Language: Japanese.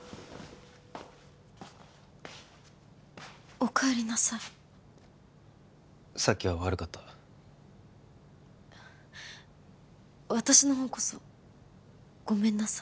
おかえりなさいさっきは悪かったな私のほうこそごめんなさい